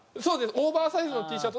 オーバーサイズのＴシャツを。